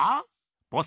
ボス